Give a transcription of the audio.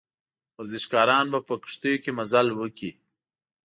ورزشکاران به په کښتیو کې مزل وکړي.